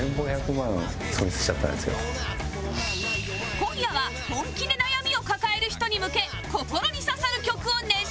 今夜は本気で悩みを抱える人に向け心に刺さる曲を熱唱